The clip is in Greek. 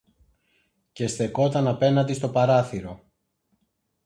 και στεκόταν απέναντι στο παράθυρο